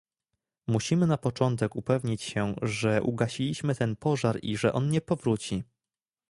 Musimy na początek upewnić się, że ugasiliśmy ten pożar i że on nie powróci